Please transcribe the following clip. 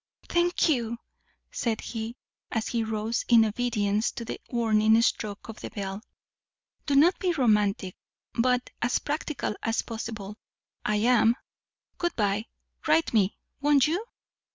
"Thank you!" said he, as he rose in obedience to the warning stroke of the bell. "Do not be romantic, but as practical as possible. I am. Good bye! Write me, won't you?"